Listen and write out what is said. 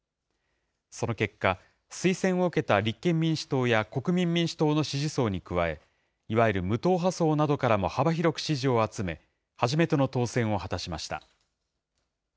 その結果、推薦を受けた立憲民主党や国民民主党の支持層に加え、いわゆる無党派層などからも幅広く支持を集め、初めての当選を果たしました。